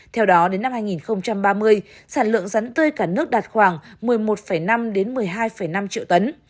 theo đó đến năm hai nghìn ba mươi sản lượng rắn tươi cả nước đạt khoảng một mươi một năm một mươi hai năm triệu tấn